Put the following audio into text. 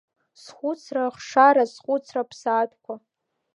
Схәыцра ахшара, схәыцра ԥсаатәқәа.